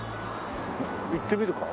行ってみるか。